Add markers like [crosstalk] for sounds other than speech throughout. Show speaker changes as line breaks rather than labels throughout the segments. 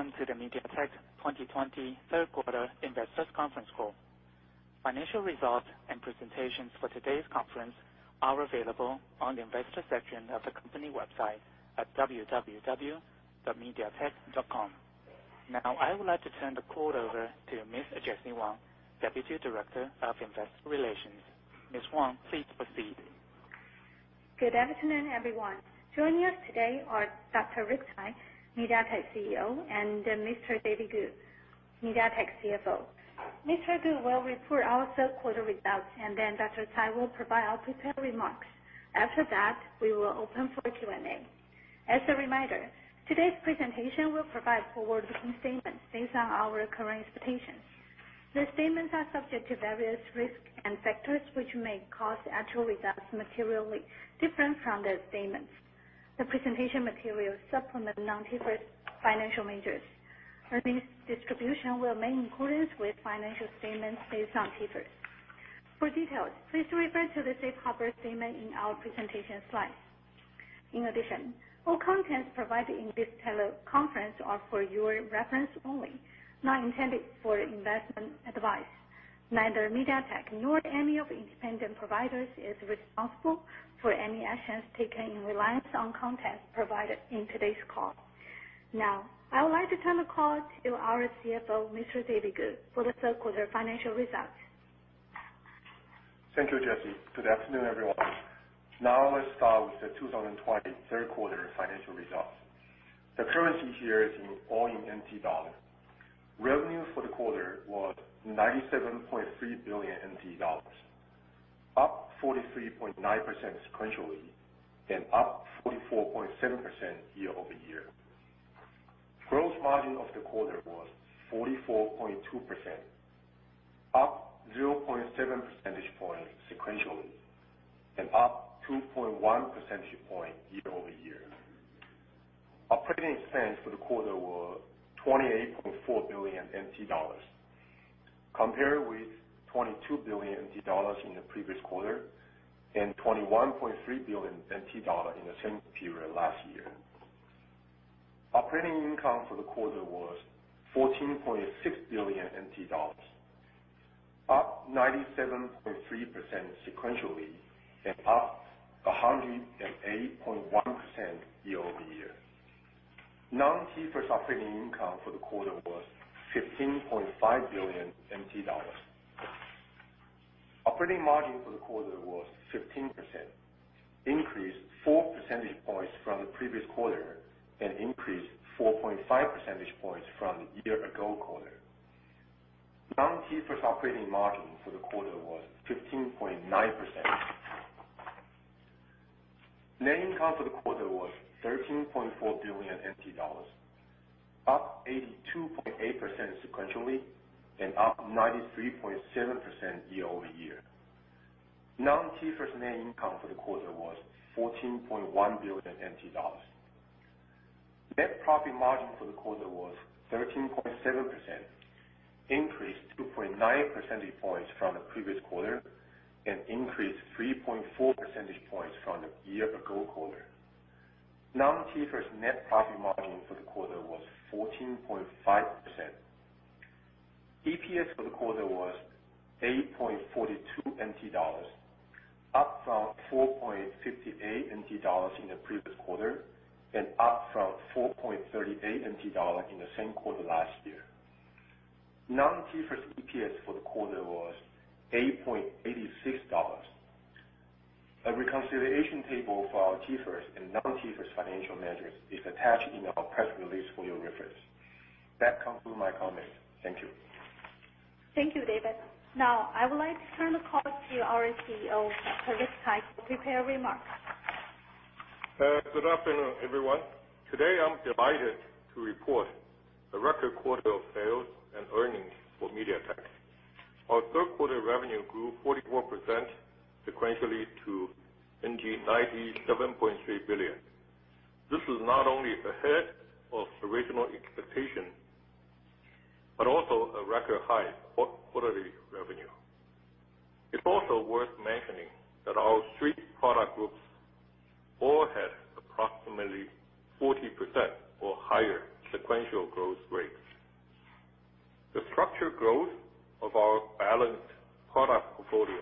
Welcome to the MediaTek 2020 Third Quarter Investors Conference Call. Financial results and presentations for today's conference are available on the investor section of the company website at www.mediatek.com. I would like to turn the call over to Miss Jessie Wang, Deputy Director of Investor Relations. Ms. Wang, please proceed.
Good afternoon, everyone. Joining us today are Dr. Rick Tsai, MediaTek CEO, and Mr. David Ku, MediaTek CFO. Mr. Ku will report our third quarter results, and then Dr. Tsai will provide prepared remarks. After that, we will open for Q&A. As a reminder, today's presentation will provide forward-looking statements based on our current expectations. These statements are subject to various risks and factors which may cause actual results materially different from these statements. The presentation materials supplement non-GAAP financial measures. Earnings distribution will remain in accordance with financial statements based on GAAP. For details, please refer to the Safe Harbor Statement in our presentation slides. In addition, all content provided in this teleconference are for your reference only, not intended for investment advice. Neither MediaTek nor any of the independent providers is responsible for any actions taken in reliance on content provided in today's call. Now, I would like to turn the call to our CFO, Mr. David Ku, for the third quarter financial results.
Thank you, Jessie. Good afternoon, everyone. Let's start with the 2020 third quarter financial results. The currency here is all in NT dollars. Revenue for the quarter was 97.3 billion NT dollars, up 43.9% sequentially and up 44.7% year-over-year. Gross margin of the quarter was 44.2%, up 0.7 percentage points sequentially, and up 2.1 percentage points year-over-year. Operating expense for the quarter was 28.4 billion NT dollars, compared with 22 billion NT dollars in the previous quarter and 21.3 billion NT dollar in the same period last year. Operating income for the quarter was 14.6 billion dollars, up 97.3% sequentially and up 108.1% year-over-year. Non-TIFRS operating income for the quarter was 15.5 billion dollars. Operating margin for the quarter was 15%, increased four percentage points from the previous quarter and increased 4.5 percentage points from the year ago quarter. Non-TIFRS operating margin for the quarter was 15.9%. Net income for the quarter was 13.4 billion NT dollars, up 82.8% sequentially and up 93.7% year-over-year. Non-GAAP net income for the quarter was 14.1 billion dollars. Net profit margin for the quarter was 13.7%, increased 2.9 percentage points from the previous quarter and increased 3.4 percentage points from the year ago quarter. Non-TIFRS net profit margin for the quarter was 14.5%. EPS for the quarter was 8.42 NT dollars, up from 4.58 in the previous quarter, and up from 4.38 NT dollars in the same quarter last year. Non-TIFRS EPS for the quarter was 8.86 dollars. A reconciliation table for our TIFRS and non-TIFRS financial measures is attached in our press release for your reference. That concludes my comments. Thank you.
Thank you, David. Now, I would like to turn the call to our CEO, Dr. Rick Tsai, for prepared remarks.
Good afternoon, everyone. Today, I'm delighted to report a record quarter of sales and earnings for MediaTek. Our third quarter revenue grew 44% sequentially to 97.3 billion. This is not only ahead of original expectation, but also a record high for quarterly revenue. It's also worth mentioning that our three product groups all had approximately 40% or higher sequential growth rates. The structured growth of our balanced product portfolio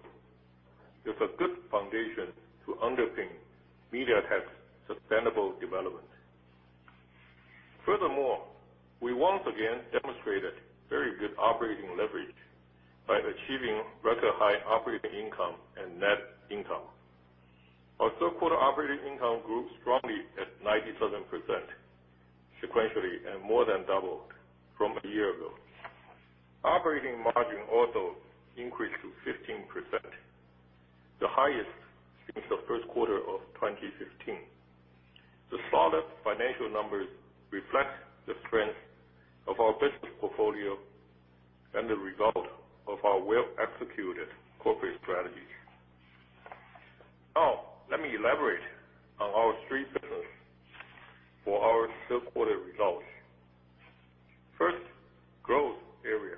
is a good foundation to underpin MediaTek's sustainable development. Furthermore, we once again demonstrated very good operating leverage by achieving record high operating income and net income. Our third quarter operating income grew strongly at 97% sequentially and more than doubled from a year ago. Operating margin also increased to 15%, the highest since the first quarter of 2015. The solid financial numbers reflect the strength of our business portfolio and the result of our well-executed corporate strategies. Let me elaborate on our three pillars for our third quarter results. First, growth area,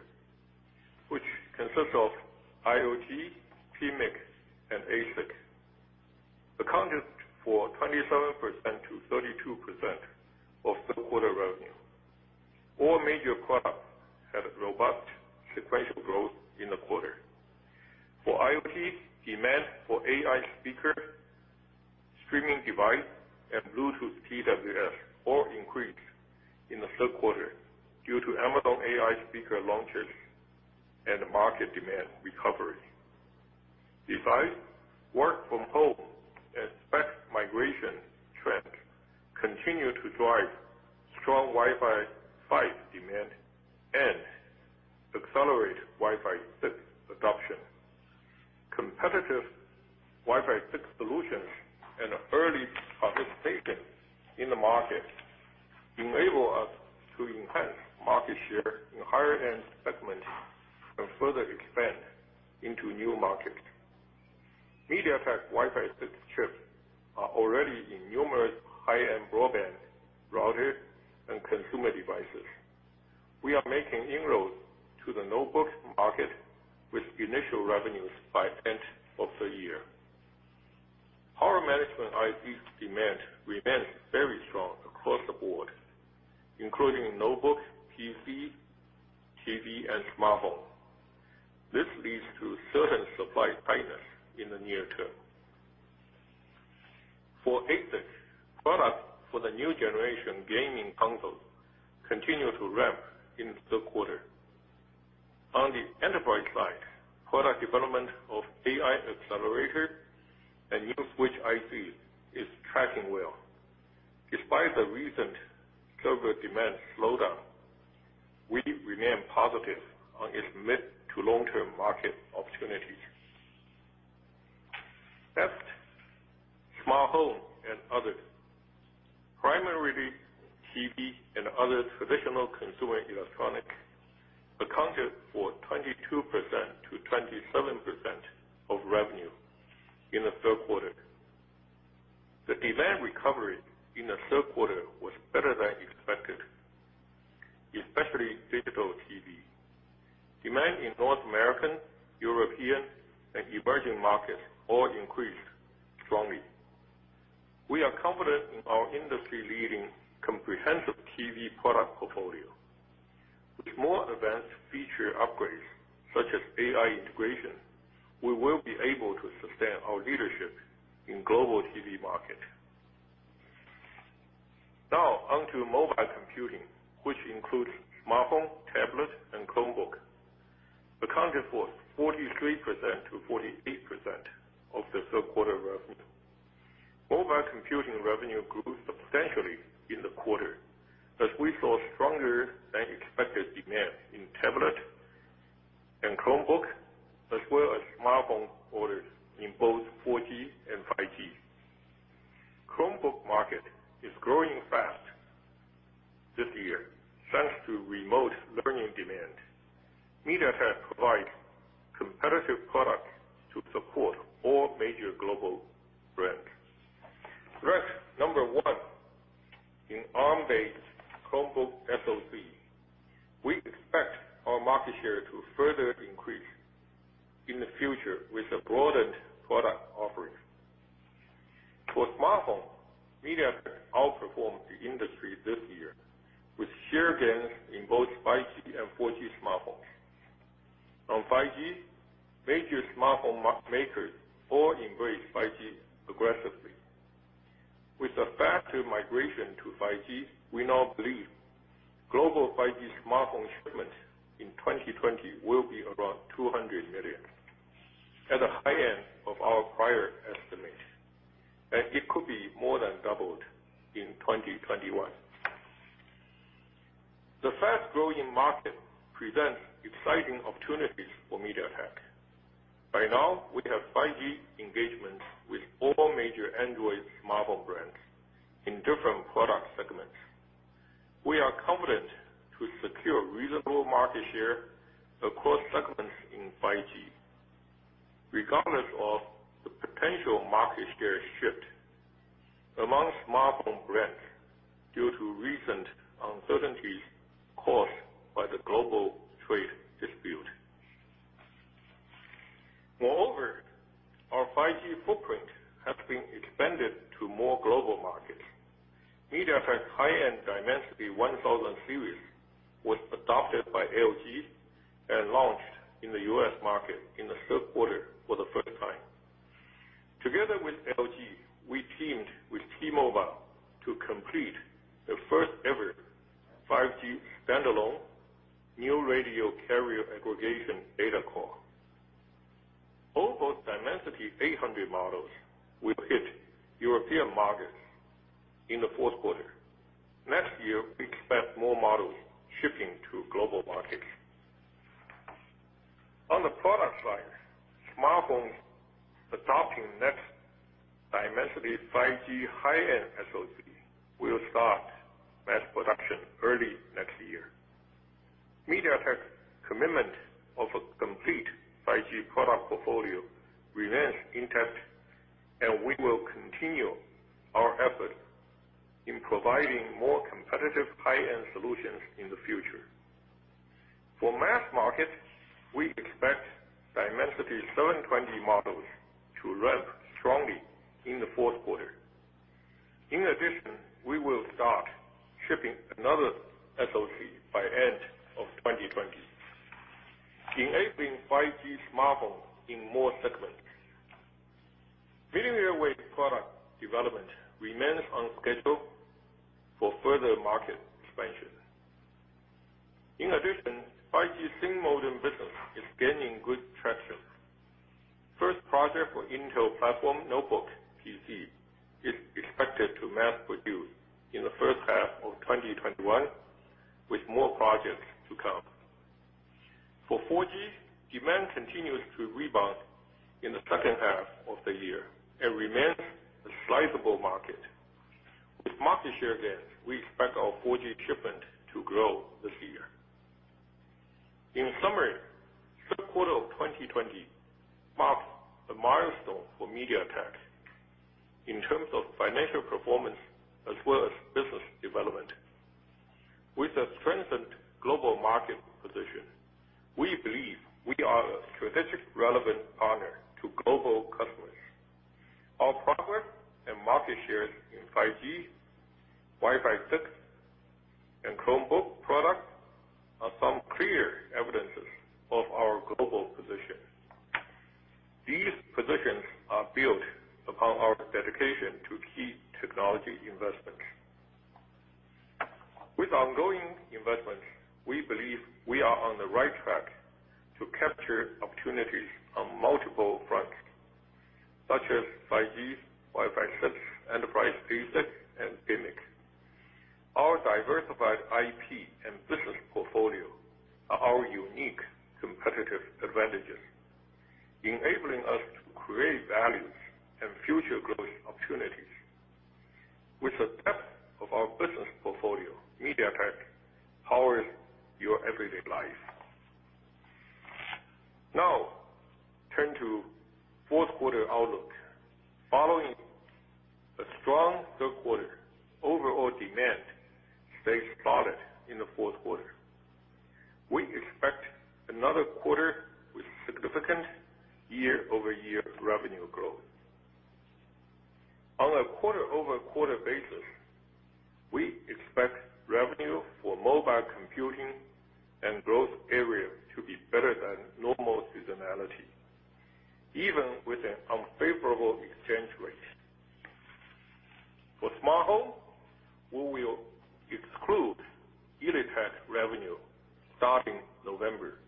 which consist of IoT, PMIC, and ASIC, accounted for 27%-32% of third quarter revenue. All major products had a robust sequential growth in the quarter. For IoT, demand for AI speaker, streaming device, and Bluetooth TWS all increased in the third quarter due to Amazon AI speaker launches and market demand recovery. Besides, work from home and spec migration trend continue to drive strong Wi-Fi 5 demand and accelerate Wi-Fi 6 adoption. Competitive Wi-Fi 6 solutions and early participation in the market enable us to enhance market share in higher end segments and further expand into new markets. MediaTek's Wi-Fi 6 chips are already in numerous high-end broadband routers and consumer devices. We are making inroads to the notebook market with initial revenues by end of the year. Power management IC demand remains very strong across the board, including notebooks, PC, TV, and smartphone. This leads to certain supply tightness in the near term. For ASIC, products for the new generation gaming consoles continue to ramp in the third quarter. On the enterprise side, product development of AI accelerator and new switch IC is tracking well. Despite the recent server demand slowdown, we remain positive on its mid to long-term market opportunities. Next, Smart Home and others. Primarily TV and other traditional consumer electronic accounted for 22%-27% of revenue in the third quarter. The demand recovery in the third quarter was better than expected, especially digital TV. Demand in North American, European, and emerging markets all increased strongly. We are confident in our industry-leading comprehensive TV product portfolio. With more advanced feature upgrades, such as AI integration, we will be able to sustain our leadership in global TV market. Now on to mobile computing, which includes smartphone, tablet, and Chromebook, accounting for 43%-48% of the third quarter revenue. Mobile computing revenue grew substantially in the quarter as we saw stronger than expected demand in tablet and Chromebook, as well as smartphone orders in both 4G and 5G. Chromebook market is growing fast this year, thanks to remote learning demand. MediaTek provides competitive products to support all major global brands. Ranked number one in Arm-based Chromebook SoC. We expect our market share to further increase in the future with a broadened product offering. For smartphone, MediaTek outperformed the industry this year with share gains in both 5G and 4G smartphones. On 5G, major smartphone makers all embrace 5G aggressively. With the faster migration to 5G, we now believe global 5G smartphone shipments in 2020 will be around 200 million, at the high end of our prior estimates, and it could be more than doubled in 2021. The fast-growing market presents exciting opportunities for MediaTek. By now, we have 5G engagements with all major Android smartphone brands in different product segments. We are confident to secure reasonable market share across segments in 5G, regardless of the potential market share shift among smartphone brands due to recent uncertainties caused by the global trade dispute. Moreover, our 5G footprint has been expanded to more global markets. MediaTek's high-end Dimensity 1000 series was adopted by LG and launched in the U.S. market in the third quarter for the first time. Together with LG, we teamed with T-Mobile to complete the first-ever 5G standalone New Radio carrier aggregation data call. All those Dimensity 800 models will hit European markets in the fourth quarter. Next year, we expect more models shipping to global markets. On the product side, smartphones adopting next Dimensity 5G high-end SoC will start mass production early next year. MediaTek's commitment of a complete 5G product portfolio remains intact, and we will continue to providing more competitive high-end solutions in the future. For mass market, we expect Dimensity 720 models to ramp strongly in the fourth quarter. In addition, we will start shipping another SoC by end of 2020, enabling 5G smartphone in more segments. Millimeter Wave product development remains on schedule for further market expansion. In addition, 5G thin modem business is gaining good traction. First project for Intel platform notebook PC is expected to mass produce in the first half of 2021, with more projects to come. For 4G, demand continues to rebound in the second half of the year and remains a sizable market. With market share gains, we expect our 4G shipment to grow this year. In summary, third quarter of 2020 marked a milestone for MediaTek in terms of financial performance as well as business development. With a strengthened global market position, we believe we are a strategic relevant partner to global customers. Our progress and market shares in 5G, Wi-Fi 6, and Chromebook products are some clear evidences of our global position. These positions are built upon our dedication to key technology investments. With ongoing investments, we believe we are on the right track to capture opportunities on multiple fronts, such as 5G, Wi-Fi 6, enterprise PC, and gaming. Our diversified IP and business portfolio are our unique competitive advantages, enabling us to create values and future growth opportunities. With the depth of our business portfolio, MediaTek powers your everyday life. Turn to fourth quarter outlook. Following a strong third quarter, overall demand stays solid in the fourth quarter. We expect another quarter with significant year-over-year revenue growth. On a quarter-over-quarter basis, we expect revenue for mobile computing and growth area to be better than normal seasonality, even with an unfavorable exchange rate. For Smart Home, we will exclude MediaTek revenue starting November,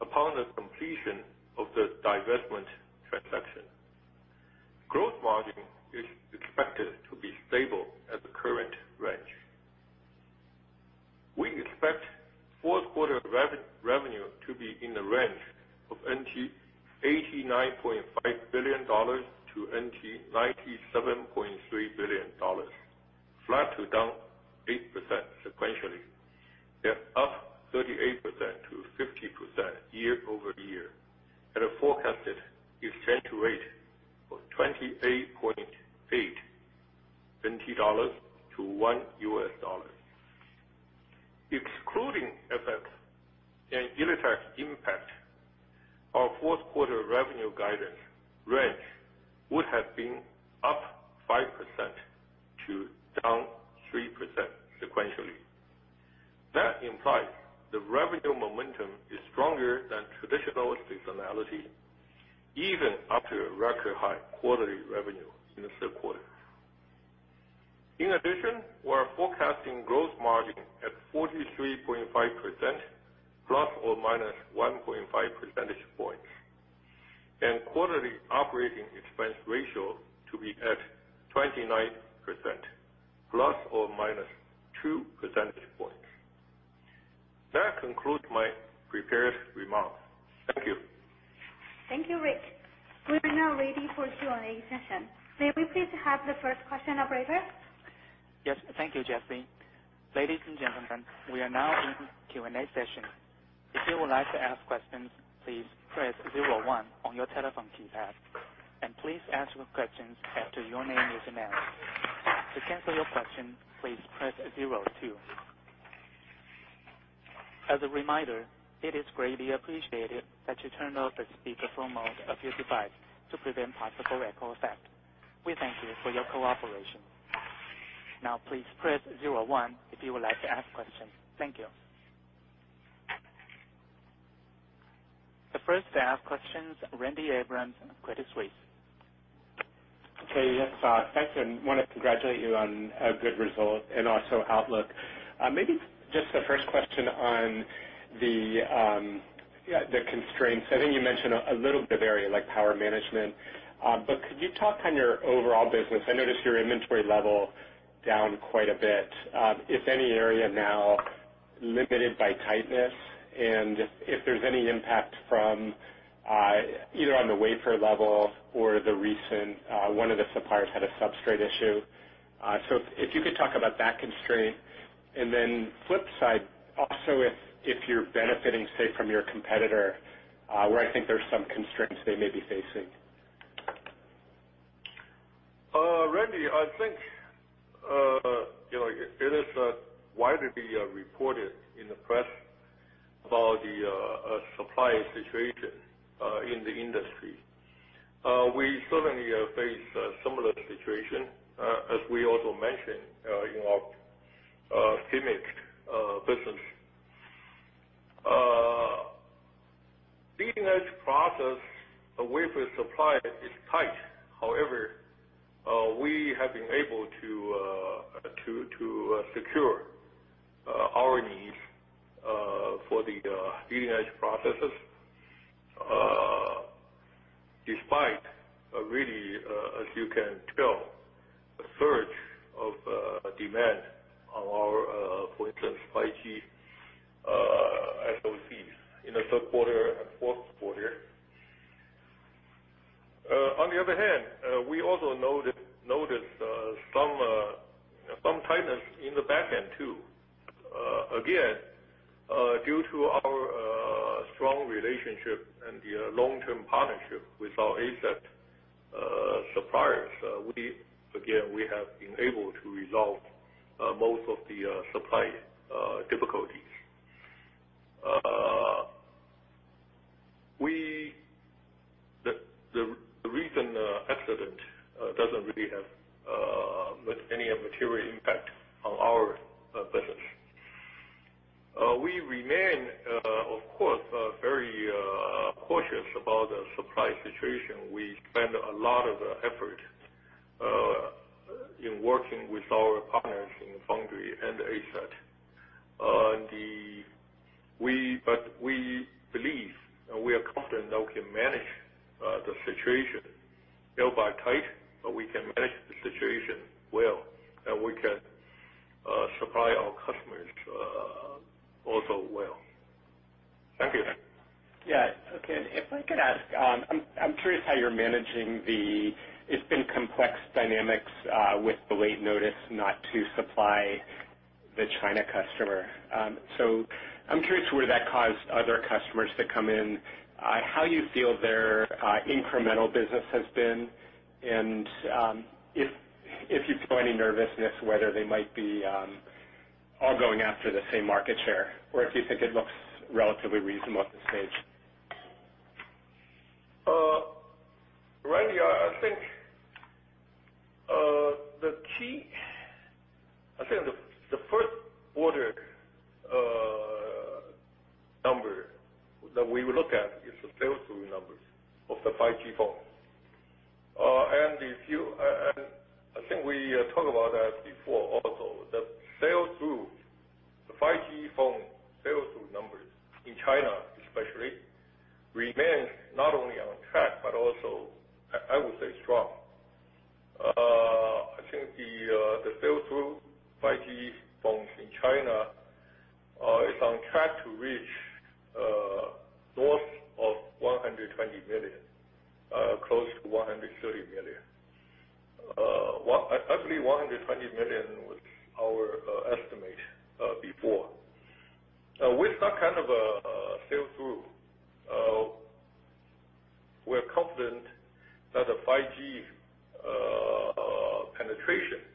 upon the completion of the divestment transaction. Gross margin is expected to be stable at the current range. We expect fourth quarter revenue to be in the range of 89.5 billion-97.3 billion NT, flat to down 8% sequentially. They are up 38%-50% year-over-year at a forecasted exchange rate of 28.8 to $1.00. Excluding FX and IliTek impact, our fourth quarter revenue guidance range would have been up 5% to down 3% sequentially. That implies the revenue momentum is stronger than traditional seasonality, even after a record high quarterly revenue in the third quarter. In addition, we're forecasting gross margin at 43.5%, 1.5± percentage points, and quarterly Operating Expense Ratio to be at 29%, 2± percentage points. That concludes my prepared remarks. Thank you.
Thank you, Rick. We are now ready for Q&A session. May we please have the first question operator?
Yes. Thank you, Jessie. Ladies and gentlemen, we are now in Q&A session. If you would like to ask questions, please press zero one on your telephone keypad, and please ask your questions after your name is announced. To cancel your question, please press zero two. As a reminder, it is greatly appreciated that you turn off the speakerphone mode of your device to prevent possible echo effect. We thank you for your cooperation. Now please press zero one if you would like to ask questions. Thank you. The first to ask questions, Randy Abrams, Credit Suisse.
Okay. Yes, thanks. Want to congratulate you on a good result and also outlook. Maybe just the first question on the constraints. I think you mentioned a little bit of area like power management. Could you talk on your overall business? I noticed your inventory level down quite a bit. If any area now limited by tightness. And if there's any impact from either on the wafer level or the recent, one of the suppliers had a substrate issue. If you could talk about that constraint. And then, flip side, also if you're benefiting, say, from your competitor, where I think there's some constraints they may be facing.
Randy, I think it is widely reported in the press about the supply situation in the industry. We certainly face a similar situation, as we also mentioned in our channel business. Leading-edge process, the wafer supply is tight. However, we have been able to secure our needs for the leading-edge processes, despite really, as you can tell, a surge of demand on our, for instance, 5G SoCs in the third quarter and fourth quarter. On the other hand, we also noticed some tightness in the back end, too. Again, due to our strong relationship and the long-term partnership with our ASIC suppliers, again, we have been able to resolve most of the supply difficulties. We— the recent accident doesn't really have any material impact on our business. We remain, of course, very cautious about the supply situation. We spend a lot of effort in working with our partners in foundry and ASIC. We believe and we are confident that we can manage the situation. It might be tight, but we can manage the situation well, and we can supply our customers also well.
Thank you. Yeah. Okay. If I could ask, I'm curious how you're managing the— it's been complex dynamics with the late notice not to supply the China customer. I'm curious where that caused other customers to come in, how you feel their incremental business has been, and if you feel any nervousness whether they might be all going after the same market share, or if you think it looks relatively reasonable at this stage.
Randy, I think the first-order number that we look at is the sales through numbers of the 5G phone. I think we talked about that before, also. The 5G phone sales through numbers, in China especially, remains not only on track, but also, I would say, strong. I think the sell-through 5G phones in China is on track to reach north of 120 million, close to 130 million. I believe 120 million was our estimate before. With that kind of a sell-through, we're confident that the 5G penetration is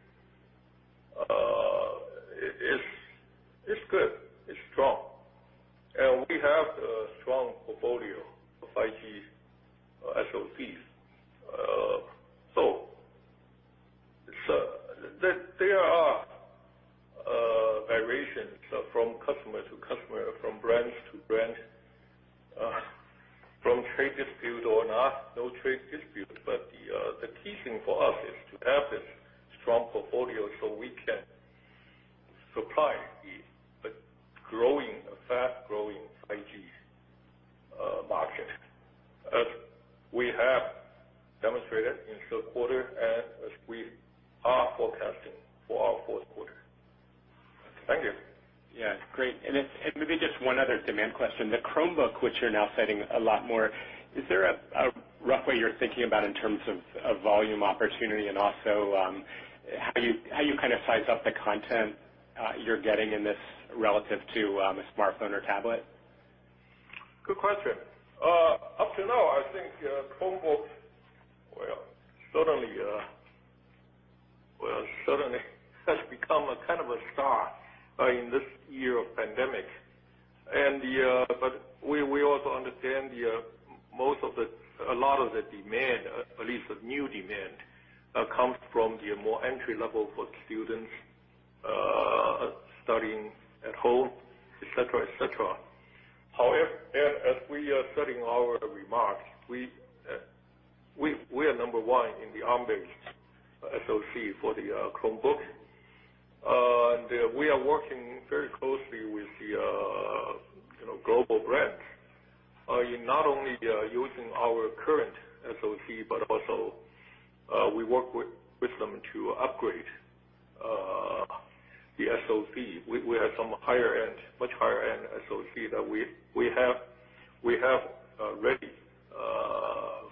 the SoC. We have some much higher-end SoC that we have ready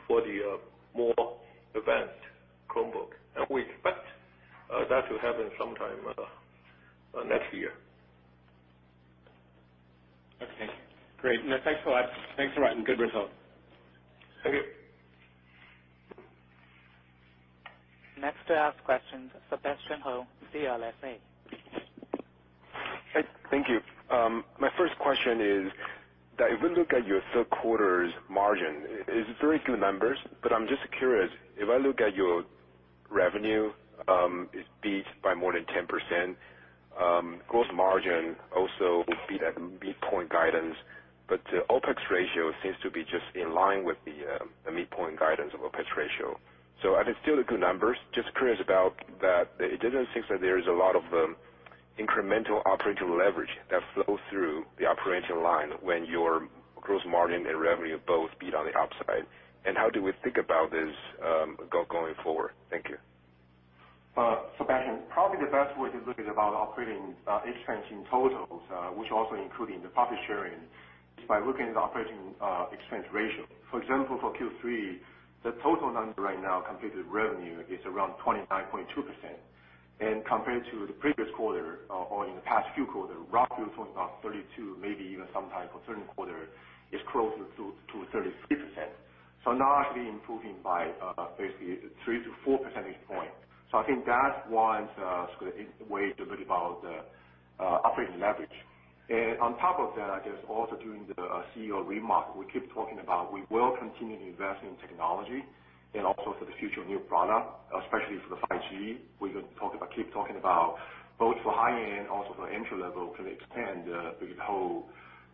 for the more advanced Chromebook, and we expect that to happen sometime next year.
Great. Thanks a lot. Thanks for writing. Good result.
Thank you.
Next to ask questions, Sebastian Hou, CLSA.
Thank you. My first question is that if we look at your third quarter's margin, it is very good numbers, but I'm just curious if I look at your revenue, it beat by more than 10%. Gross margin also would beat at midpoint guidance, but the OpEx ratio seems to be just in line with the midpoint guidance of OpEx ratio. I think still a good numbers. Just curious about that it doesn't seem that there is a lot of incremental operational leverage that flows through the operational line when your gross margin and revenue both beat on the upside. How do we think about this going forward? Thank you.
Sebastian, probably the best way to look at about operating expense in totals, which also including the profit sharing, is by looking at the operating expense ratio. For example, for Q3, the total number right now compared to the revenue is around 29.2%. Compared to the previous quarter or in the past few quarter, roughly talking about 32%, maybe even sometime for certain quarter is closer to 33%. Now actually improving by basically three to four percentage point. I think that one's a way to look about the operating leverage. On top of that, I guess also during the CEO remark, we keep talking about we will continue to invest in technology and also for the future new product, especially for the 5G. We keep talking about both for high-end also for entry-level to expand the whole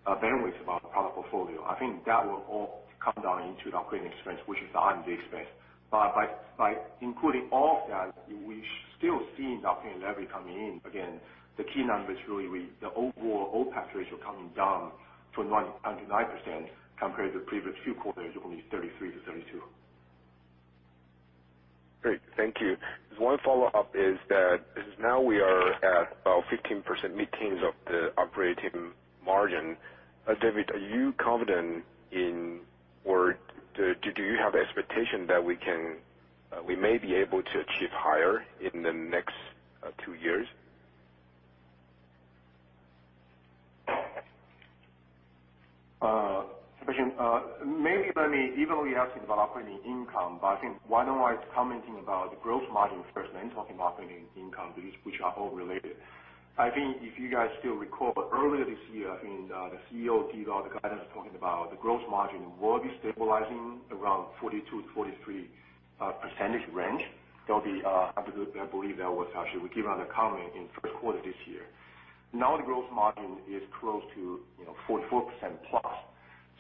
bandwidth of our product portfolio. I think that will all come down into the operating expense, which is the R&D expense. By including all of that, we still see the operating leverage coming in. Again, the key number is really the overall OpEx ratio coming down from [audio distortion] compared to the previous few quarters, only 33%-32%.
Great. Thank you. One follow-up is that since now we are at 15% mid-teens of the operating margin, David, are you confident in— or do you have the expectation that we may be able to achieve higher in the next two years?
Sebastian, maybe let me, even though you ask about operating income, but I think why not I commenting about the gross margin first, then talking about operating income, which are all related. I think if you guys still recall earlier this year, I think the CEO gave all the guidance talking about the gross margin will be stabilizing around 42%-43% range. I believe that was actually we given a comment in first quarter this year. Now the gross margin is close to 44+%.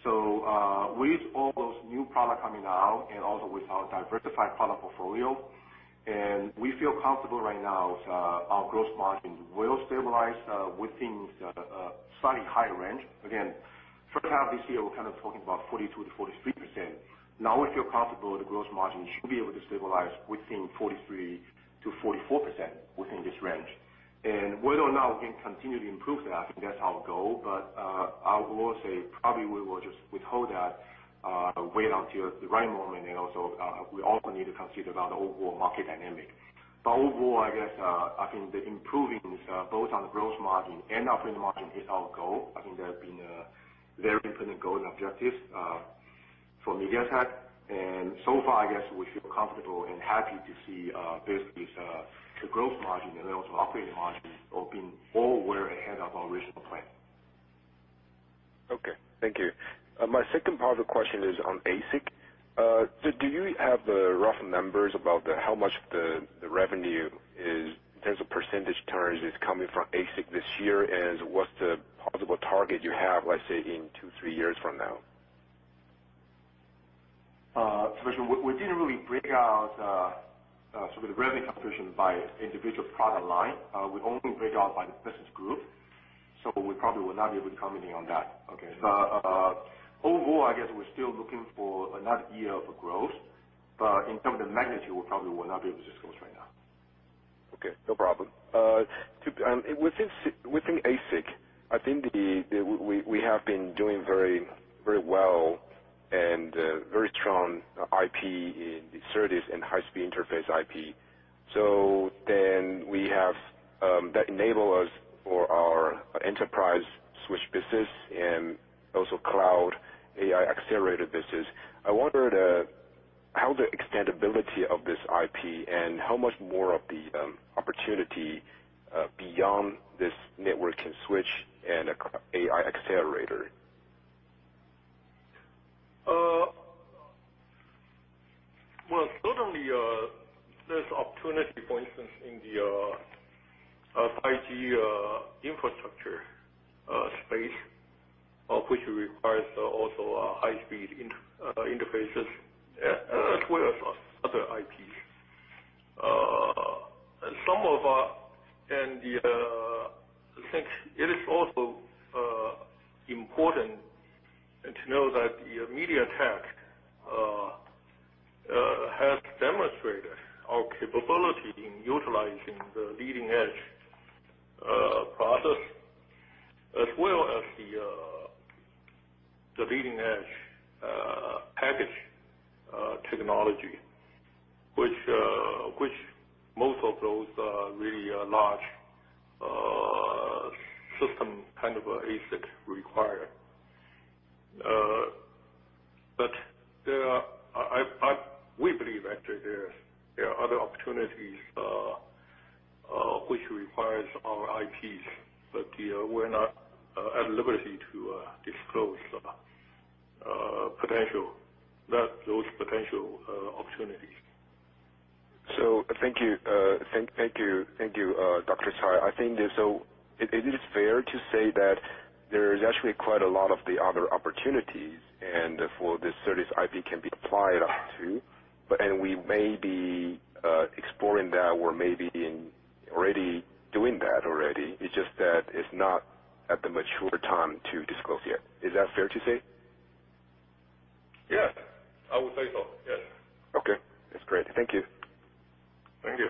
So with all those new product coming out and also with our diversified product portfolio, and we feel comfortable right now with our gross margin will stabilize within slightly higher range. Again, first half this year, we're talking about 42%-43%. Now we feel comfortable the gross margin should be able to stabilize within 43%-44%, within this range. And whether or not we can continue to improve that, I think that's our goal. I will say probably we will just withhold that, wait until the right moment, and also, we also need to consider about the overall market dynamic. Overall, I guess, I think the improving both on the gross margin and operating margin is our goal. I think that have been a very important goal and objective for MediaTek. So far, I guess we feel comfortable and happy to see basically the gross margin and also operating margin overall were ahead of our original plan.
Okay. Thank you. My second part of the question is on ASIC. Do you have rough numbers about how much the revenue is in terms of percentage terms is coming from ASIC this year? What's the possible target you have, let's say, in two, three years from now?
Sebastian, we didn't really break out sort of the revenue contribution by individual product line. We only break out by the business group, so we probably will not be able to comment any on that.
Okay.
Overall, I guess we're still looking for another year of growth. In terms of magnitude, we probably will not be able to disclose right now.
Okay. No problem. Within ASIC, I think we have been doing very well and very strong IP in SerDes and high-speed interface IP. So then, we have that enable us for our enterprise switch business and also cloud AI accelerator business. I wonder how the extendibility of this IP and how much more of the opportunity beyond this network can switch and AI accelerator?
Well, certainly, there's opportunity, for instance, in the 5G infrastructure space, which requires also high-speed interfaces as well as other IPs. I think it is also important to know that MediaTek has demonstrated our capability in utilizing the leading-edge process as well as the leading-edge package technology, which most of those are really large system, kind of ASIC required. We believe, actually, there are other opportunities, which requires our IPs, but we're not at liberty to disclose those potential opportunities.
So, thank you, Dr. Tsai. I think, is it fair to say that there is actually quite a lot of the other opportunities, and for the SerDes IP can be applied onto, and we may be exploring that or may be doing that already. It's just that it's not at the mature time to disclose yet. Is that fair to say?
Yes, I would say so. Yes.
Okay. That's great. Thank you.
Thank you.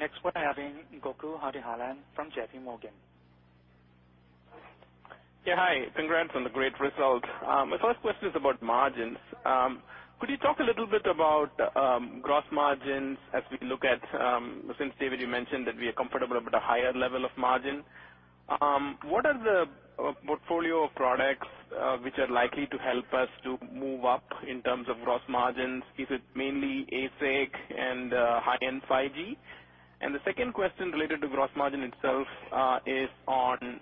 Next, we're having Gokul Hariharan from JPMorgan.
Hi. Congrats on the great result. My first question is about margins. Could you talk a little bit about gross margins as we look at, since, David, you mentioned that we are comfortable with a higher level of margin. What are the portfolio of products, which are likely to help us to move up in terms of gross margins? Is it mainly ASIC and high-end 5G? And the second question related to gross margin itself is on,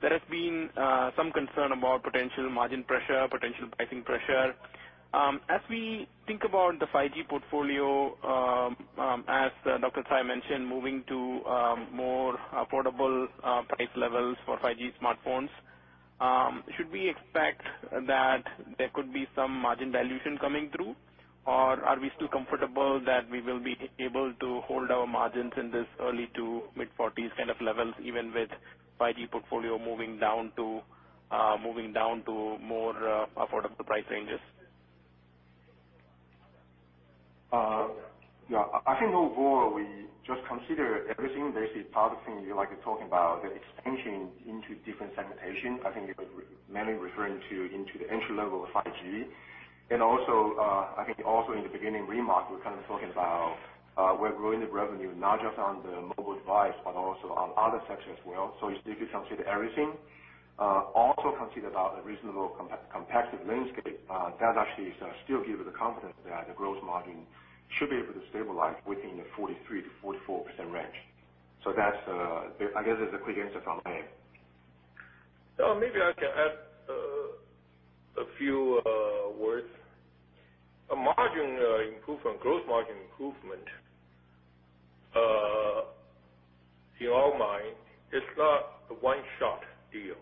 there has been some concern about potential margin pressure, potential pricing pressure. As we think about the 5G portfolio, as Dr. Tsai mentioned, moving to more affordable price levels for 5G smartphones. Should we expect that there could be some margin dilution coming through, or are we still comfortable that we will be able to hold our margins in this early to mid-40s kind of levels, even with 5G portfolio moving down to more affordable price ranges?
Yeah. I think overall, we just consider everything. Part of the thing you're talking about, the expansion into different segmentation, I think you're mainly referring to into the entry level of 5G. I think also in the beginning remark, we're kind of talking about, we're growing the revenue not just on the mobile device but also on other sectors as well. If you consider everything, also consider the reasonable competitive landscape, that actually still gives the confidence that the growth margin should be able to stabilize within the 43%-44% range. So that, I guess, is the quick answer from me.
Maybe I can add a few words. A margin improvement, gross margin improvement, in our mind, it's not a one-shot deal.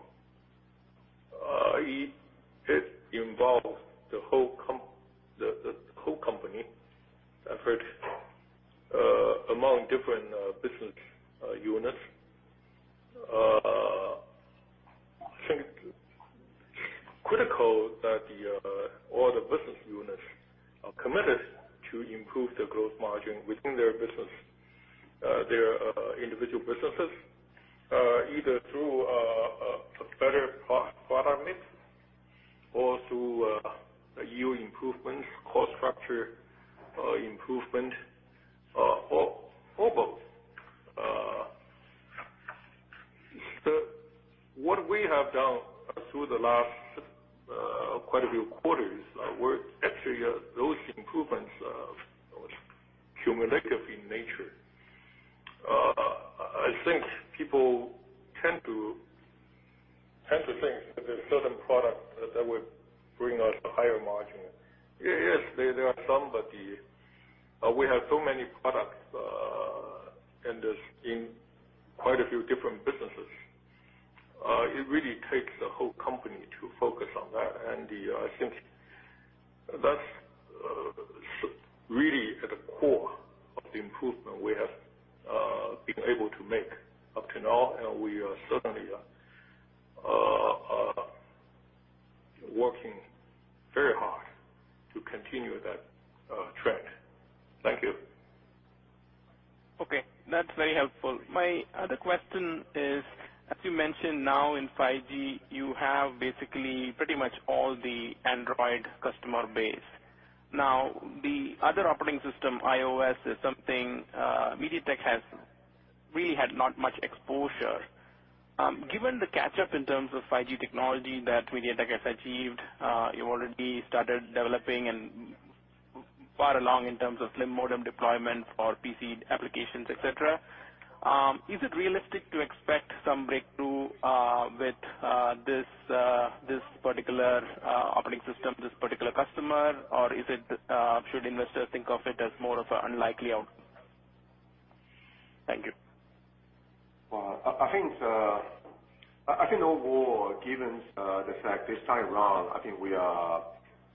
It involves the whole company effort among different business units. I think critical that all the business units are committed to improve the gross margin within their individual businesses, either through a better product mix or through yield improvements, cost structure improvement, or both. What we have done through the last quite a few quarters were actually those improvements are cumulative in nature. I think people tend to think that there's certain product that would bring us a higher margin. Yes, there are some. We have so many products in quite a few different businesses. It really takes the whole company to focus on that. I think that's really at the core of the improvement we have been able to make up to now. We are certainly working very hard to continue that trend. Thank you.
Okay. That's very helpful. My other question is, as you mentioned, now in 5G, you have basically pretty much all the Android customer base. Now, the other operating system, iOS, is something MediaTek has really had not much exposure. Given the catch-up in terms of 5G technology that MediaTek has achieved, you already started developing and far along in terms of thin modem deployment for PC applications, et cetera. Is it realistic to expect some breakthrough with this particular operating system, this particular customer, or should investors think of it as more of an unlikely outcome? Thank you.
I think overall, given the fact this time around, I think we are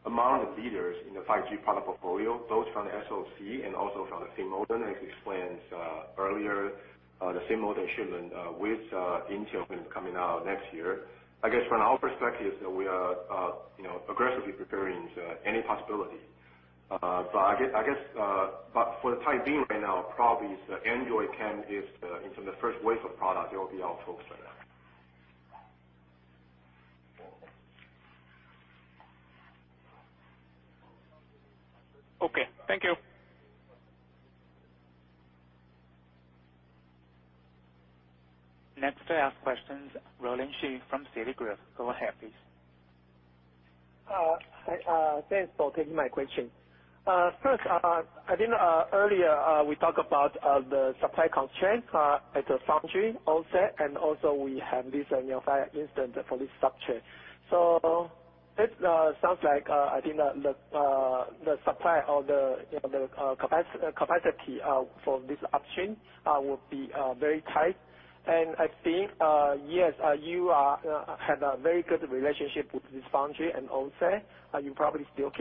among the leaders in the 5G product portfolio, both from the SoC and also from the thin modem, as explained earlier. The thin modem shipment with Intel is coming out next year. I guess from our perspective, we are, aggressively preparing any possibility. For the time being right now, probably Android can give into the first wave of product that will be our focus right now.
Okay, thank you.
Next to ask questions, Roland Shu from Citigroup. Go ahead, please.
Hi. Thanks for taking my question. Earlier, we talked about the supply constraint at the foundry, OSAT, and also we have this fire incident for this structure. It sounds like the supply or the capacity for this option will be very tight. And I think you have a very good relationship with this foundry and OSAT, you probably still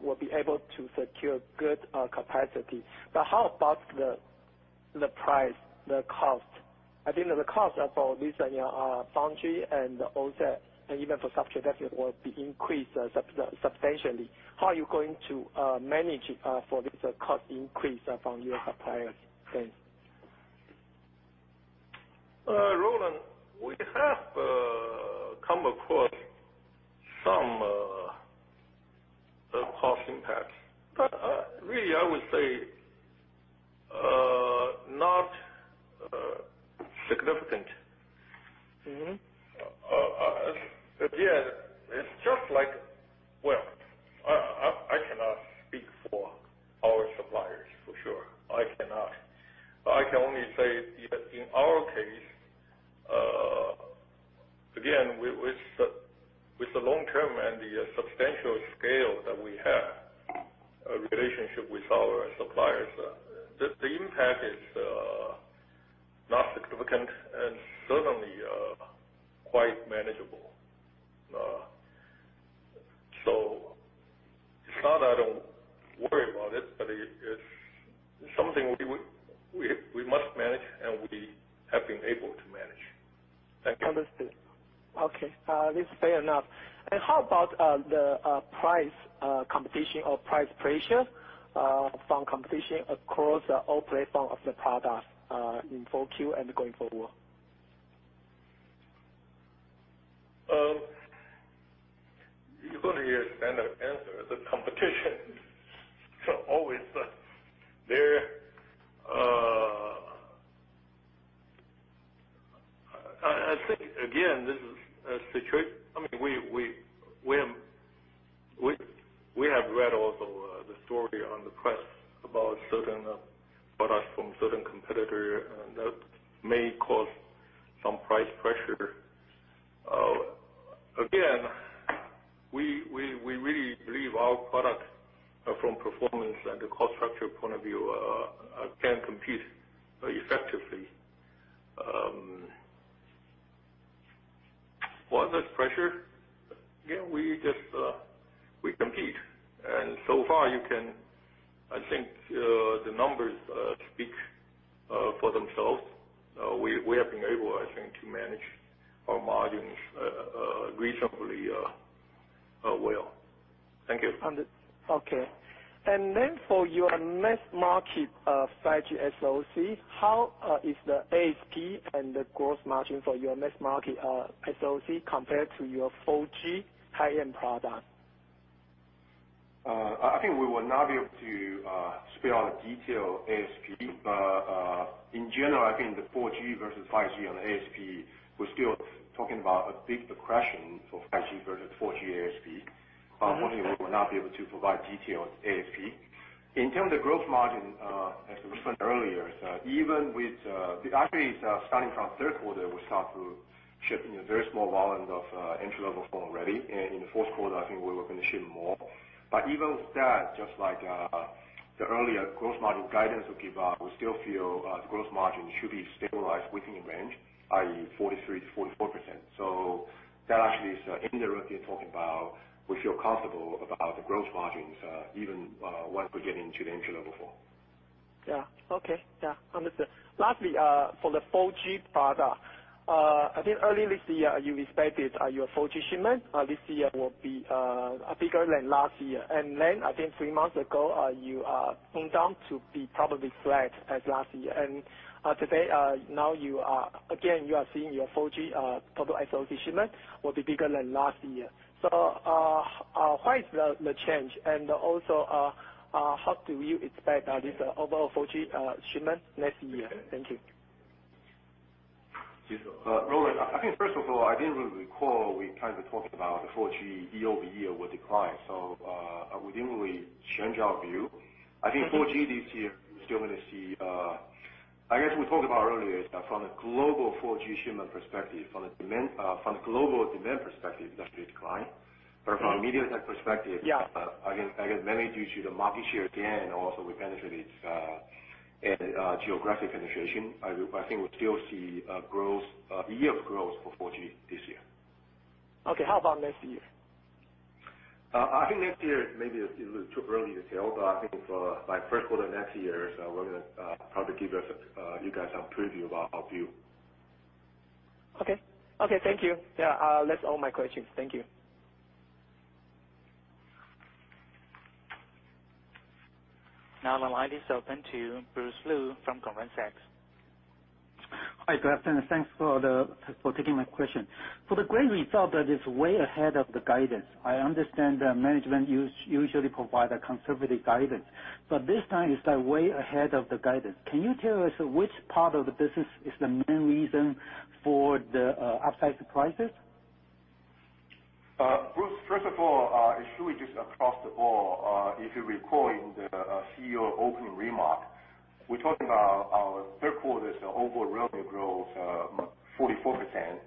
will be able to secure good capacity. How about the price, the cost? The cost for this foundry and OSAT, and even for structure, definitely will be increased substantially. How are you going to manage for this cost increase from your suppliers?
Roland, we have come across some cost impacts, but really, I would say, not significant. Again, it's just You're going to hear a standard answer. The competition is always there. I think, again, this is a situation We have read also the story on the press about certain products from certain competitor, and that may cause some price pressure. Again, we really believe our product, from performance and the cost structure point of view, can compete effectively. Was there pressure? Yeah, we compete, and so far, I think the numbers speak for themselves. We have been able, I think, to manage our margins reasonably well. Thank you.
Understood. Okay. For your mass market 5G SoC, how is the ASP and the gross margin for your mass market SoC compared to your 4G high-end product?
I think we will not be able to spell out the detailed ASP. In general, I think the 4G versus 5G on ASP, we are still talking about a big accretion for 5G versus 4G ASP. Unfortunately, we will not be able to provide detailed ASP. In terms of gross margin, as we mentioned earlier, actually, starting from third quarter, we start to ship a very small volume of entry-level phone already. In the fourth quarter, I think we were going to ship more. Even with that, just like the earlier gross margin guidance we gave out, we still feel gross margin should be stabilized within range, i.e., 43%-44%. So, that actually is indirectly talking about we feel comfortable about the gross margins, even once we get into the entry-level phone.
Yeah. Okay. Yeah. Understood. Lastly, for the 4G product, I think early this year, you expected your 4G shipment this year will be bigger than last year. I think three months ago, you toned down to be probably flat as last year. Today, now again, you are seeing your 4G total SoC shipment will be bigger than last year. Why is the change, and also, how do you expect this overall 4G shipment next year? Thank you.
Roland, I think, first of all, I didn't really recall we kind of talked about the 4G year-over-year would decline, we didn't really change our view. I think 4G this year, we're still going to see— I guess we talked about earlier, from the global 4G shipment perspective, from the global demand perspective, that will decline. From a MediaTek perspective.
Yeah.
Again, mainly due to the market share gain, also we benefited geographic penetration. I think we'll still see year growth for 4G this year.
Okay. How about next year?
I think next year, maybe it's a little too early to tell. I think by first quarter next year, we're going to probably give you guys some preview of our view.
Okay, okay. Thank you. Yeah. That is all my questions. Thank you.
Now the line is open to Bruce Lu from Goldman Sachs.
Hi, good afternoon. Thanks for taking my question. For the great result, that is way ahead of the guidance. I understand management usually provide a conservative guidance, this time it's way ahead of the guidance. Can you tell us which part of the business is the main reason for the upside surprises?
Bruce, first of all, it's really just across the board. If you recall in the CEO opening remark, we talked about our third quarter's overall revenue growth, 44%,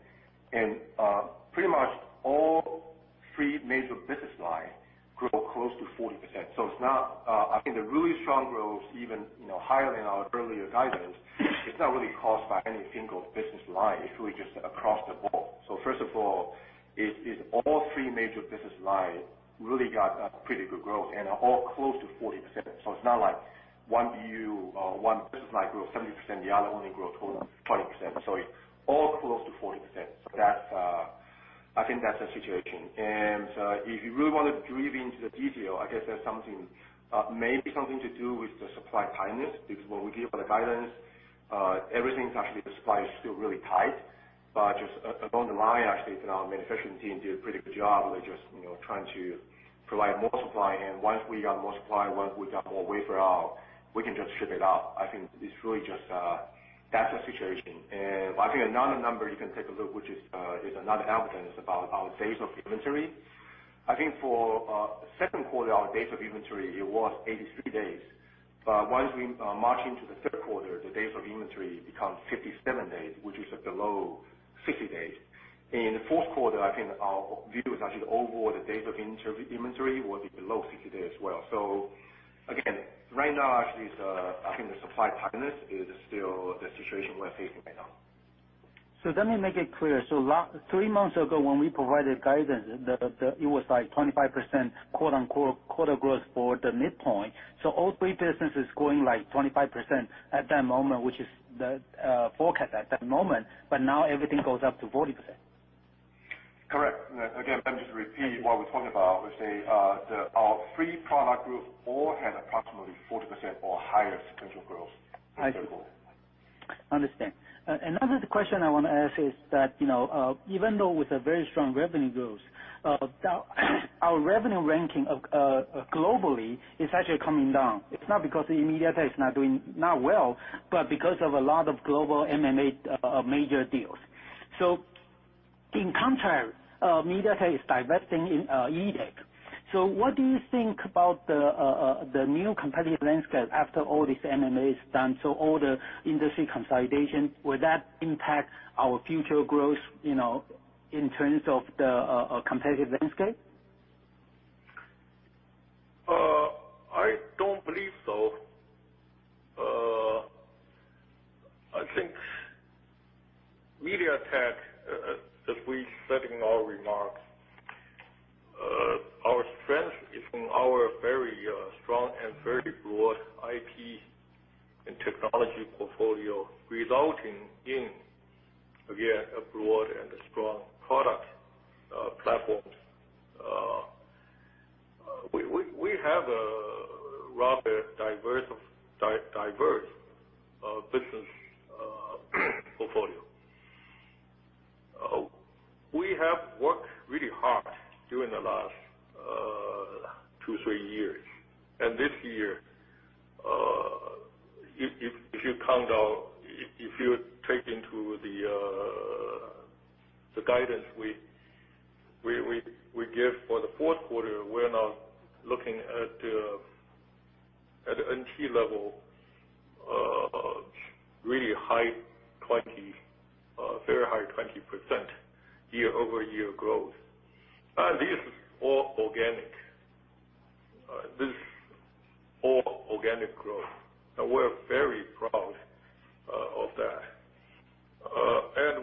pretty much all three major business lines grew close to 40%. So it's not.. I think the really strong growth, even higher than our earlier guidance, it's not really caused by any single business line. It's really just across the board. So, first of all, it's all three major business lines really got pretty good growth and are all close to 40%. It's not like one business line grew 70%, the other only grew 20%. All close to 40%. I think that's the situation. If you really want to drill into the detail, I guess that's maybe something to do with the supply tightness, because when we give the guidance, everything's actually the supply is still really tight. But just along the line, actually, our manufacturing team did a pretty good job. They're just trying to provide more supply. Once we got more supply, once we got more wafer out, we can just ship it out. I think that's the situation. And I think another number you can take a look, which is another evidence about our days of inventory. I think for second quarter, our days of inventory, it was 83 days. Once we march into the third quarter, the days of inventory become 57 days, which is below 60 days. In the fourth quarter, I think our view is actually overall the days of inventory will be below 60 days as well. So, again, right now, actually, I think the supply tightness is still the situation we're facing right now.
So let me make it clear. So last— three months ago, when we provided guidance, it was 25%, quote-unquote, quarter growth for the midpoint. All three businesses growing 25% at that moment, which is the forecast at that moment, but now everything goes up to 40%.
Correct. Let me just repeat what we're talking about. We say that our three product groups all had approximately 40% or higher sequential growth.
I see. Understand. Another question I want to ask is that, you know, even though with a very strong revenue growth, our revenue ranking globally is actually coming down. It's not because MediaTek is not doing— not well, but because of a lot of global M&A major deals. So in contrary, MediaTek is divesting in [E-DAC]. What do you think about the new competitive landscape after all these M&As done, all the industry consolidation, will that impact our future growth, you know, in terms of the competitive landscape?
I don't believe so. I think MediaTek, as we said in our remarks, our strength is from our very strong and very broad IP and technology portfolio, resulting in, again, a broad and strong product platform. We have a rather diverse business portfolio. We have worked really hard during the last two, three years. And this year, if you count take into the guidance we give for the fourth quarter, we're now looking at the NT level, really high 20%, very high 20% year-over-year growth. This is all organic. This all organic growth. We're very proud of that.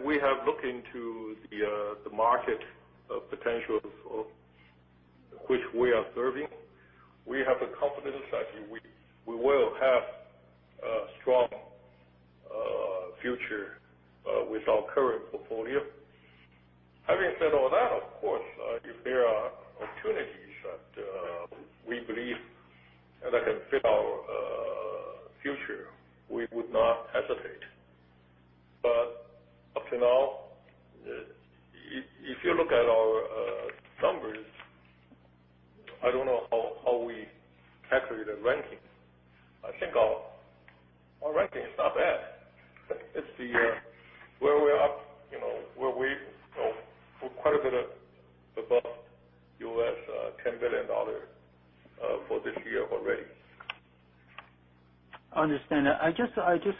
We have looked into the market potential of which we are serving. We have the confidence that we will have a strong future with our current portfolio. Having said all that, of course, if there are opportunities that we believe that can fit our future, we would not hesitate. Up to now, if you look at our numbers, I don't know how we calculate the ranking. I think our ranking is not bad. It's where we are, we're quite a bit above $10 billion for this year already.
Understand. I just.. I just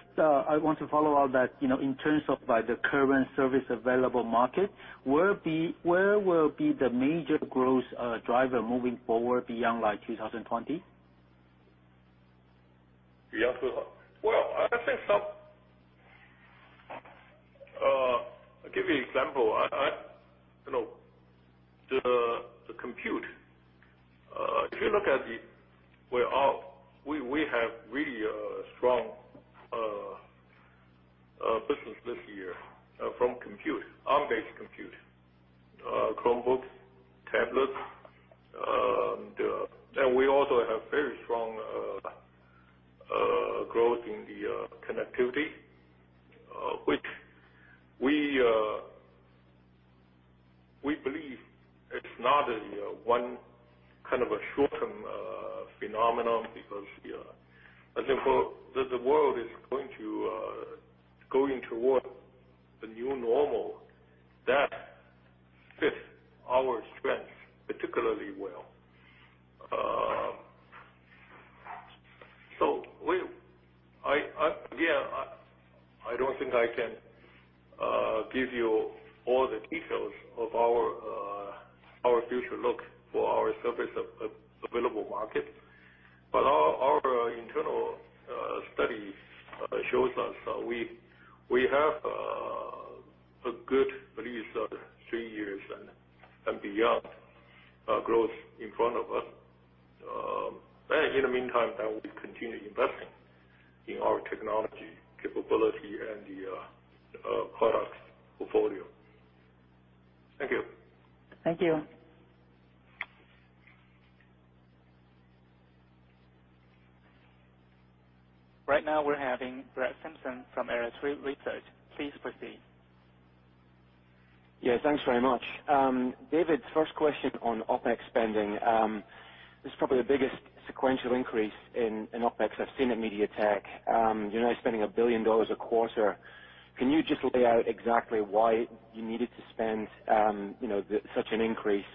want to follow on that, in terms of the current serviceable available market, where will be the major growth driver moving forward beyond 2020?
Well, I think some I'll give you example. The compute, if you look at it, we have really a strong this year, from compute, Arm-based compute. Chromebooks, tablets, and we also have very strong growth in the connectivity, which we believe it's not one kind of a short-term phenomenon, because as the world is going towards the new normal, that fits our strength particularly well. Again, I don't think I can give you all the details of our future look for our service available market. Our internal study shows us we have a good, at least three years and beyond, growth in front of us. In the meantime, we continue investing in our technology capability and the product portfolio. Thank you.
Thank you.
Right now we're having Brett Simpson from Arete Research. Please proceed.
Yeah, thanks very much. David, first question on OpEx spending. This is probably the biggest sequential increase in OpEx I've seen at MediaTek. You're now spending 1 billion dollars a quarter. Can you just lay out exactly why you needed to spend such an increase?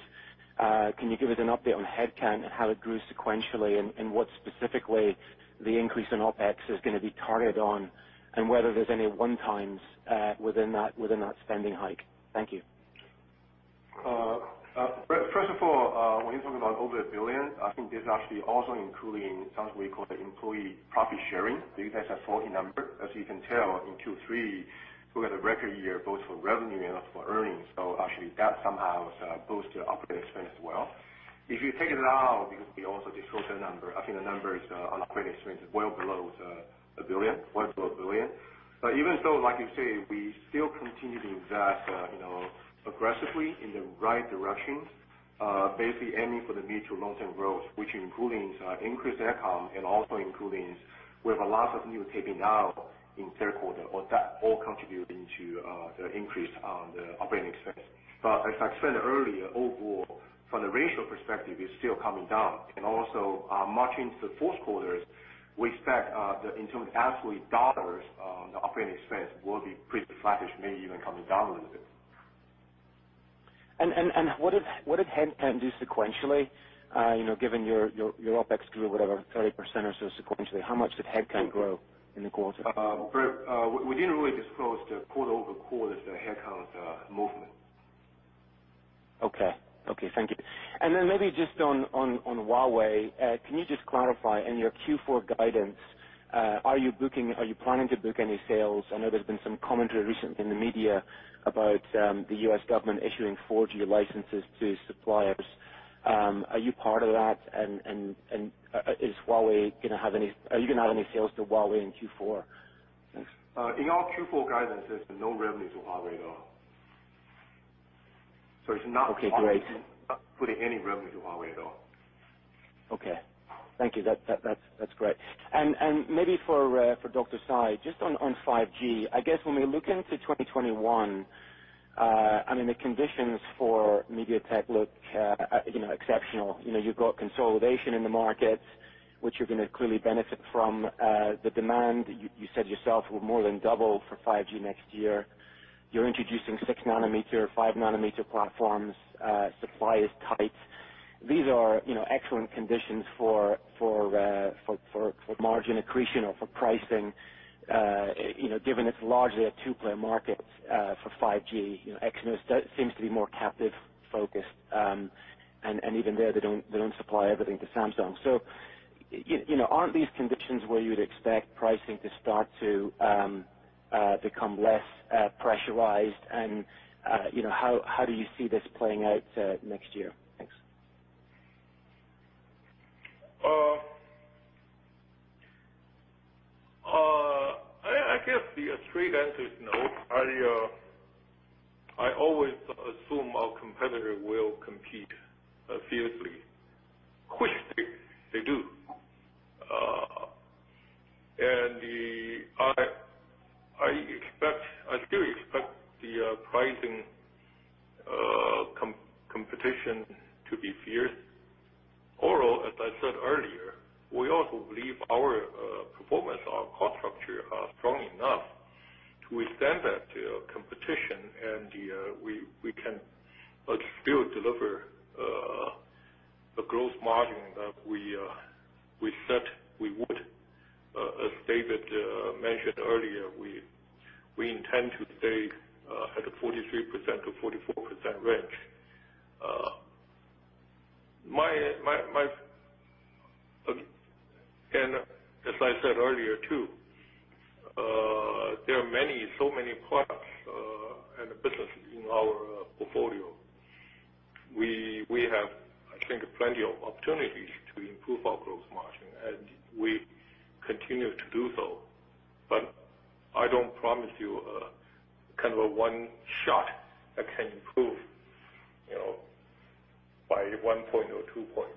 Can you give us an update on headcount and how it grew sequentially, and what specifically the increase in OpEx is going to be targeted on, and whether there's any one-times within that spending hike? Thank you.
First of all, when you talk about over 1 billion, I think this is actually also including something we call the employee profit sharing. You guys have 40 number. As you can tell, in Q3, we had a record year both for revenue and also for earnings. Actually, that somehow was a boost to operating expense as well. If you take that out, we also disclose the number. I think the number is on operating expense is well below 1 billion. Even so, like you say, we still continue to invest aggressively in the right directions, basically aiming for the mid to long-term growth, which including increased OpEx and also including, we have a lot of new taping now in third quarter. That all contribute into the increase on the operating expense. As I explained earlier, overall, from the ratio perspective, it's still coming down. And also, marching into the fourth quarter, we expect that in terms of absolute dollars, the operating expense will be pretty flattish, maybe even coming down a little bit.
What did headcount do sequentially? Given your OpEx grew, whatever, 30% or so sequentially, how much did headcount grow in the quarter?
Brett, we didn't really disclose the quarter-over-quarter the headcount movement.
Okay. Thank you. Maybe just on Huawei. Can you just clarify, in your Q4 guidance, are you planning to book any sales? I know there's been some commentary recently in the media about the U.S. government issuing 4G licenses to suppliers. Are you part of that, and are you going to have any sales to Huawei in Q4? Thanks.
In our Q4 guidance, there's no revenue to Huawei at all.
Okay, great.
It's not putting any revenue to Huawei at all.
Okay, okay. Thank you. That's great. Maybe for Dr. Tsai, just on 5G. When we look into 2021, the conditions for MediaTek look exceptional. You've got consolidation in the market, which you're going to clearly benefit from. The demand, you said yourself, will more than double for 5G next year. You're introducing 6 nm, 5 nm platforms. Supply is tight. These are excellent conditions for margin accretion or for pricing, given it's largely a two-player market for 5G. Exynos seems to be more captive-focused. Even there, they don't supply everything to Samsung. So, you know, aren't these conditions where you'd expect pricing to start to become less pressurized, and how do you see this playing out next year? Thanks.
I guess the straight answer is no. I always assume our competitor will compete fiercely, which they do. I still expect the pricing competition to be fierce. Although, as I said earlier, we also believe our performance, our cost structure, are strong enough to withstand that competition, and we can still deliver a gross margin that we said we would. As David mentioned earlier, we intend to stay at a 43%-44% range. My, my, my— as I said earlier, too, there are so many products and businesses in our portfolio We have, I think, plenty of opportunities to improve our gross margin, and we continue to do so. But I don't promise you a one shot that can improve by one point or two points.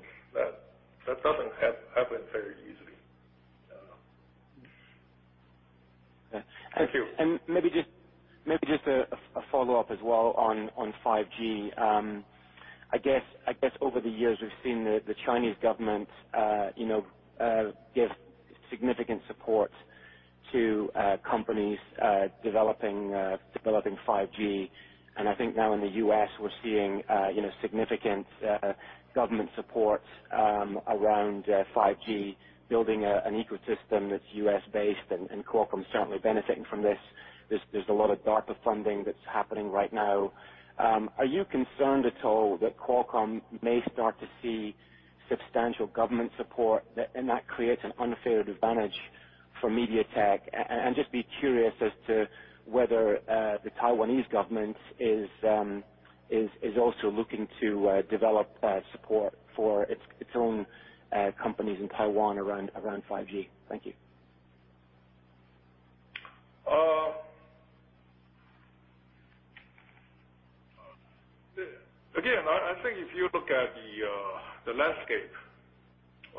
That doesn't happen very easily. Thank you.
Maybe just a follow-up as well on 5G. I guess, i guess over the years, we've seen the Chinese government, you know, give significant support to companies developing, developing 5G. And I think now in the U.S., we're seeing significant government support around 5G, building an ecosystem that's U.S. based, and Qualcomm is certainly benefiting from this. There's a lot of DARPA funding that's happening right now. Are you concerned at all that Qualcomm may start to see substantial government support, and that creates an unfair advantage for MediaTek? And I'd just be curious as to whether the Taiwanese government is also looking to develop support for its own companies in Taiwan around 5G. Thank you.
I think if you look at the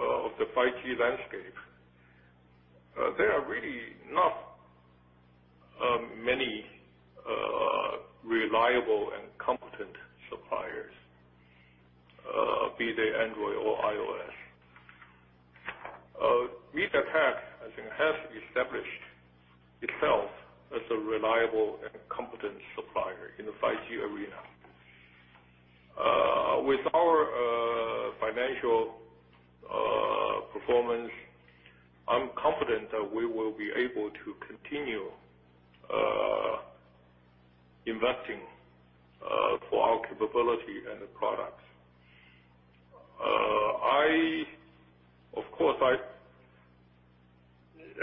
5G landscape, there are really not many reliable and competent suppliers, be they Android or iOS. MediaTek, I think, has established itself as a reliable and competent supplier in the 5G arena. With our financial performance, I'm confident that we will be able to continue investing for our capability and the products. Of course,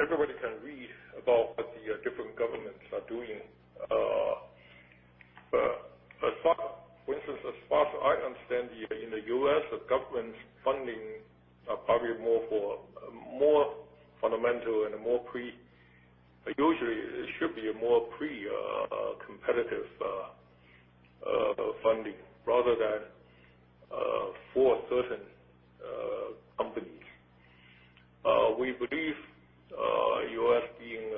everybody can read about what the different governments are doing. For instance, as far as I understand, in the U.S., the government's funding are probably more fundamental and usually, it should be a more pre-competitive funding rather than for certain companies. We believe U.S. being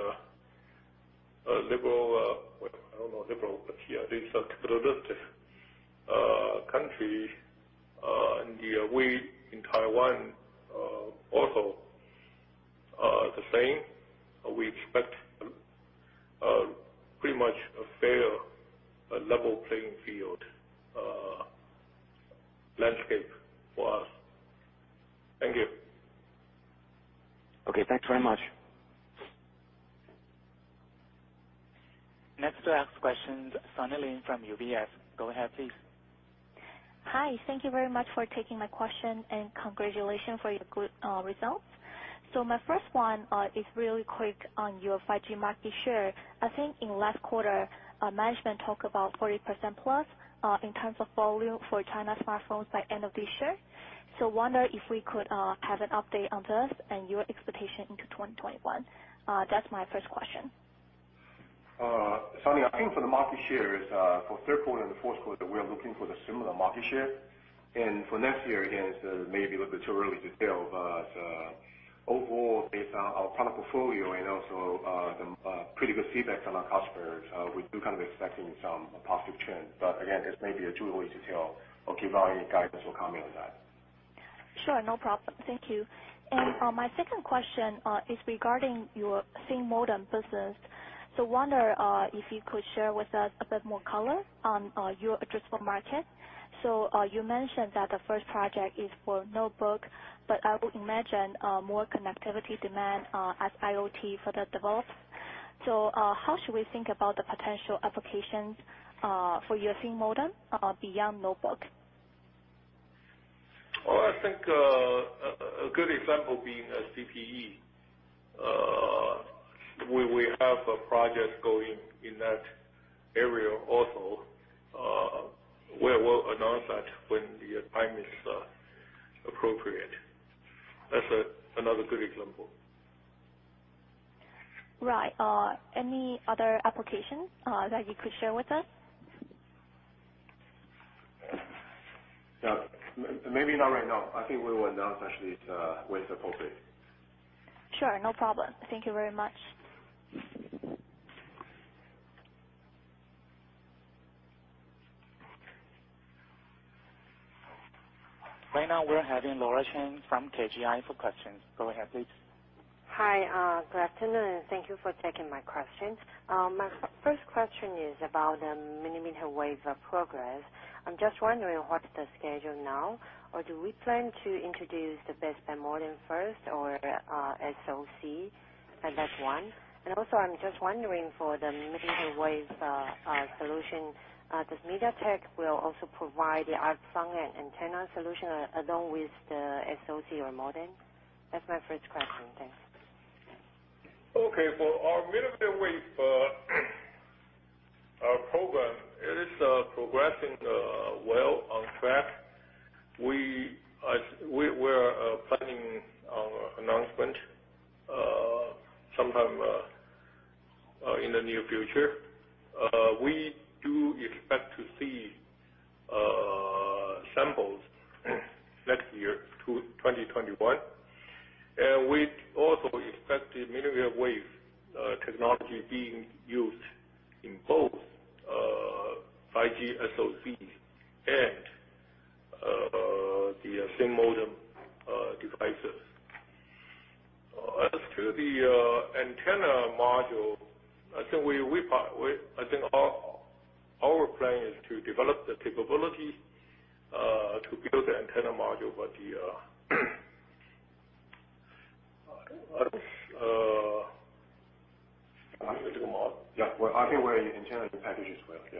a liberal, I don't know, liberal, but yeah, they are a capitalistic country, and we in Taiwan are also the same. We expect pretty much a fair and level playing field landscape for us. Thank you.
Okay. Thanks very much.
Next to ask questions, Sunny Lin from UBS. Go ahead, please.
Hi. Thank you very much for taking my question, and congratulations for your good results. So my first one is really quick on your 5G market share. I think in last quarter, management talked about 40% plus in terms of volume for China smartphones by end of this year. So, wonder if we could have an update on this and your expectation into 2021. That's my first question.
Sunny, I think for the market shares for third quarter and fourth quarter, we are looking for the similar market share. For next year, again, it may be a little bit too early to tell, but overall, based on our product portfolio and also the pretty good feedback from our customers, we do expect some positive trends. Again, it may be too early to tell or give out any guidance or comment on that.
Sure. No problem. Thank you. And for my second question is regarding your thin modem business. Wonder if you could share with us a bit more color on your addressable market. So are.. You mentioned that the first project is for notebook, but I would imagine more connectivity demand as IoT further develops. How should we think about the potential applications for your thin modem beyond notebook?
Well, I think a good example being a CPE. We have a project going in that area also. We will announce that when the time is appropriate. That's another good example.
Right. Any other applications that you could share with us?
Maybe not right now. I think we will announce actually when it's appropriate.
Sure. No problem. Thank you very much.
Right now, we're having Laura Chen from KGI for questions. Go ahead, please.
Hi. Good afternoon, and thank you for taking my questions. My first question is about the Millimeter Wave progress. I'm just wondering, what's the schedule now? Do we plan to introduce the thin modem first or SoC as one? I'm just wondering for the Millimeter Wave solution, does MediaTek will also provide the RF front-end antenna solution along with the SoC or modem? That's my first question. Thanks.
Okay. For our Millimeter Wave program, it is progressing well, on track. We were planning our announcement sometime in the near future. We do expect to see samples next year, 2021. We also expect the Millimeter Wave technology being used in both 5G SoC and the SIM modem devices. As to the antenna module, I think our plan is to develop the capability to build the antenna module, but the antenna module. Yeah. I think we're in antenna packages as well. Yeah.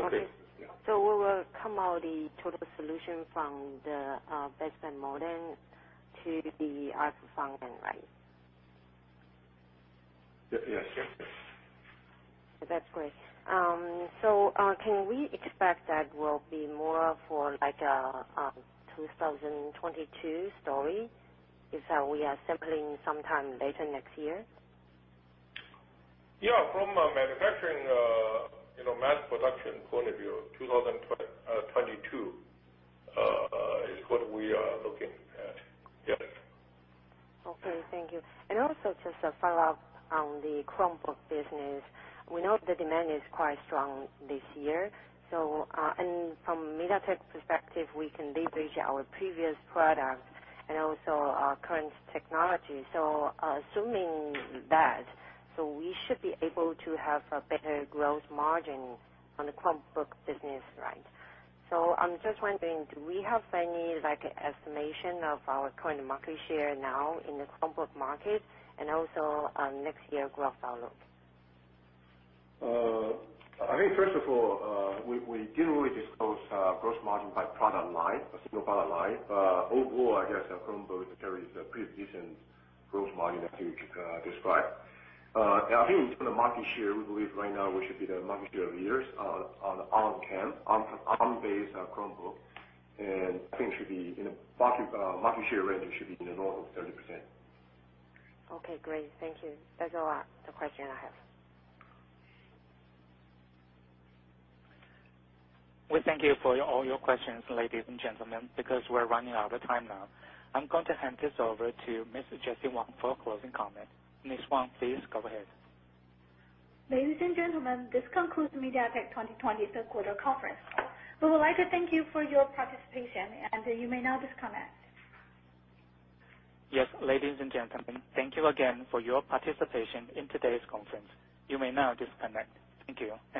Oh, okay. Yeah.
We will come out with the total solution from the baseband modem to the RF front-end, right?
Yes.
That's great. Can we expect that will be more for the 2022 story, is that we are sampling sometime later next year?
Yeah. From a manufacturing, mass production point of view, 2022 is what we are looking at. Yes.
Okay, thank you. Also, just a follow-up on the Chromebook business. We know the demand is quite strong this year. From MediaTek perspective, we can leverage our previous products and also our current technology. So, assuming that, we should be able to have a better growth margin on the Chromebook business, right? I'm just wondering, do we have any estimation of our current market share now in the Chromebook market, and also next year growth outlook?
I think first of all, we generally disclose gross margin by product line, a single product line. Overall, I guess Chromebook carries a pretty decent gross margin that we could describe. I think in terms of market share, we believe right now we should be the market share leaders on Arm camp, on Arm-based Chromebook. I think market share range should be in the north of 30%.
Okay, great. Thank you. That's all the questions I have.
We thank you for all your questions, ladies and gentlemen. Because we're running out of time now, I'm going to hand this over to Ms. Jessie Wang for closing comments. Ms. Wang, please go ahead.
Ladies and gentlemen, this concludes MediaTek's 2020 third quarter conference. We would like to thank you for your participation, and you may now disconnect.
Yes, ladies and gentlemen, thank you again for your participation in today's conference. You may now disconnect. Thank you, and bye.